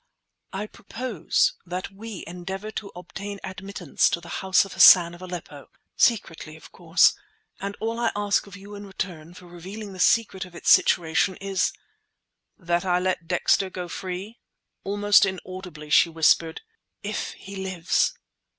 "I propose that we endeavour to obtain admittance to the house of Hassan of Aleppo—secretly, of course, and all I ask of you in return for revealing the secret of its situation is—" "That I let Dexter go free?" Almost inaudibly she whispered: "If he lives!"